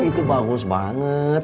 itu bagus banget